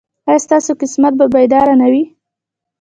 ایا ستاسو قسمت به بیدار نه وي؟